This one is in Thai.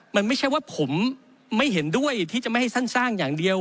มันไม่ใช่ว่าผมไม่เห็นด้วยที่จะไม่ให้สั้นสร้างอย่างเดียว